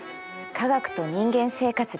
「科学と人間生活」です。